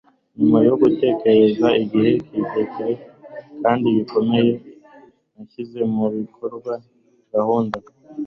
nyuma yo gutekereza igihe kirekire kandi gikomeye, nashyize mubikorwa gahunda